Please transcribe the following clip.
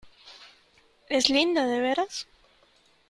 ¿ es linda de veras ?